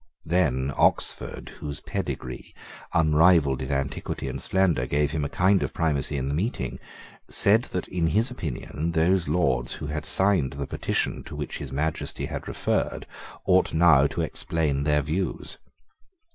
Then Oxford, whose pedigree, unrivalled in antiquity and splendour, gave him a kind of primacy in the meeting, said that in his opinion those Lords who had signed the petition to which His Majesty had referred ought now to explain their views.